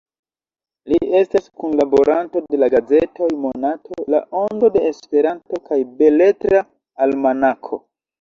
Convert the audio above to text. Li estas kunlaboranto de la gazetoj Monato, La Ondo de Esperanto kaj Beletra Almanako.